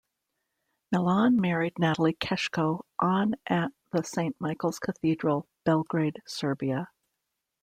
Milan married Natalie Keschko on at the Saint Michael's Cathedral, Belgrade, Serbia.